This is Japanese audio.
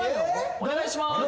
お願いします